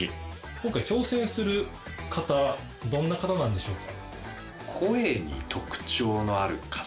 今回挑戦する方どんな方なんでしょうか？